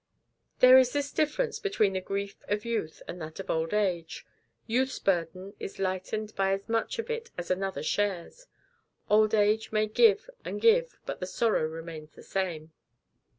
There is this difference between the grief of youth and that of old age: youth's burden is lightened by as much of it as another shares; old age may give and give, but the sorrow remains the same.